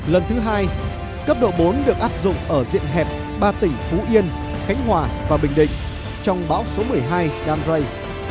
lần thứ hai cấp độ bốn được áp dụng ở diện hẹp ba tỉnh phú yên khánh hòa và bình định trong bão số một mươi hai đam rây